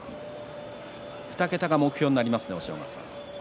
２桁が目標になりますね押尾川さん。